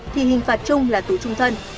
thì hình phạt chung là tù trung thân